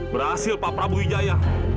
berhasil pak prabu jaya